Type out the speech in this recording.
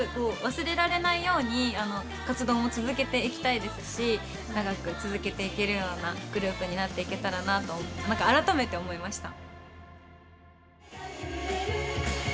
忘れられないように活動を続けていきたいですし長く続けていけるようなグループになっていけたらなと改めて思いました。